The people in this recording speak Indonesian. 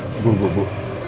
nah bu bu bu